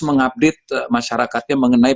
mengupdate masyarakatnya mengenai